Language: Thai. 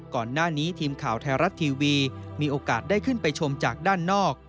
ก่อนหน้านี้ทีมข่าวไทยรัฐทีวีมีโอกาสได้ขึ้นไปชมจากด้านนอก